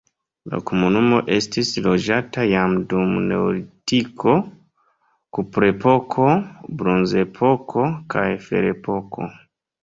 La komunumo estis loĝata jam dum neolitiko, kuprepoko, bronzepoko kaj ferepoko.